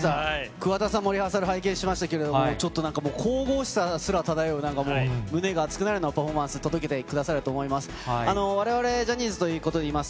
桑田さんもリハーサル拝見しましたけれども、ちょっとなんかもう、神々しさすら漂う、なんかもう、胸が熱くなるようなパフォーマンス、届けてくださると思います。